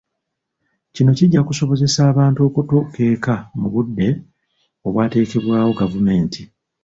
Kino kijja kusobozese abantu okutuuka eka mu budde obwateekebwawo gavumenti.